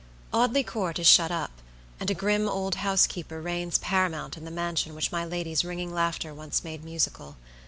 Audley Court is shut up, and a grim old housekeeper reigns paramount in the mansion which my lady's ringing laughter once made musical.